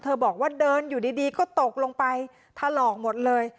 บอกว่าเดินอยู่ดีก็ตกลงไปถลอกหมดเลย